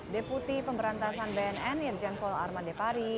deputi pemberantasan bnn irjen paul armand depari